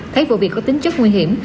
thấy vụ việc có tính chất nguy hiểm